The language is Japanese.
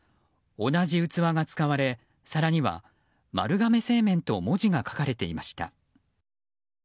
同じ器が使われ皿には丸亀製麺と文字が書かれていました。